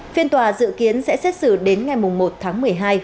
phiên tòa dự kiến sẽ xét xử đến ngày một tháng một mươi hai